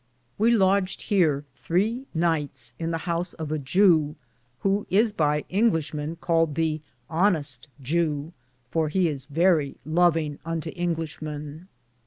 We lodged heare 3 nyghtes in the house of a Jew, who is by Inglishe men caled the honeste Jew, for he is verrie lovinge unto Inglishe men.